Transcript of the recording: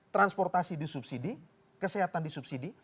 transportasi di subsidi kesehatan di subsidi